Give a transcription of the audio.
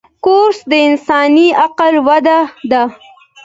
کورس د انساني عقل وده ده.